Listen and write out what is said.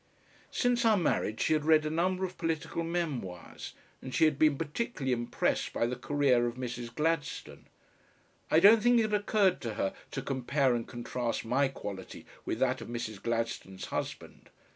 Since our marriage she had read a number of political memoirs, and she had been particularly impressed by the career of Mrs. Gladstone. I don't think it occurred to her to compare and contrast my quality with that of Mrs. Gladstone's husband.